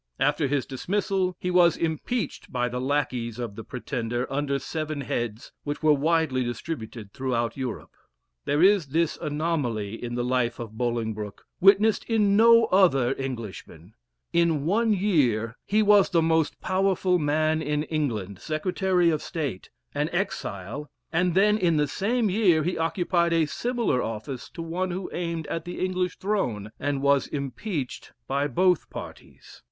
After his dismissal he was impeached by the lackeys of the Pretender under seven heads, which were widely distributed throughout Europe. There is this anomaly in the life of Bolingbroke, witnessed in no other Englishman: In one year he was the most powerful man in England Secretary of State an exile and then in the same year he occupied a similar office to one who aimed at the English throne, and was impeached by both parties.